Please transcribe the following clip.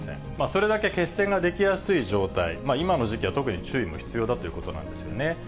それだけ血栓が出来やすい状態、今の時期は特に注意も必要だということなんですよね。